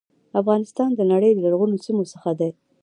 افغانستان د نړی د لرغونو سیمو څخه دی.